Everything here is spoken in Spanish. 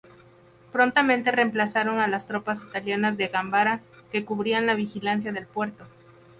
Prontamente reemplazaron a las tropas italianas de Gambara que cubrían la vigilancia del puerto.